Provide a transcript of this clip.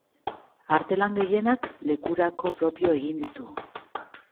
Artelan gehienak lekurako propio egin ditu.